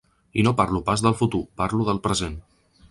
I no parlo pas del futur, parlo del present.